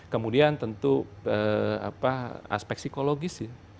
kemudian tentu aspek psikologis